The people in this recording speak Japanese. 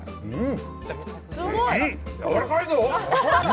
やわらかいぞ！